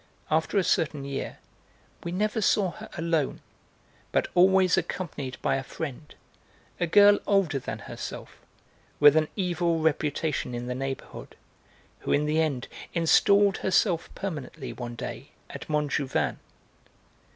After a certain year we never saw her alone, but always accompanied by a friend, a girl older than herself, with an evil reputation in the neighbourhood, who in the end installed herself permanently, one day, at Montjouvain.